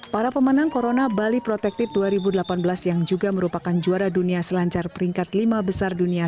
para pemenang corona bali protective dua ribu delapan belas yang juga merupakan juara dunia selancar peringkat lima besar dunia